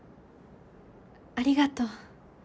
ありがとう。